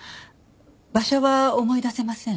場所は思い出せません。